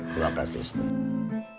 terima kasih ustadz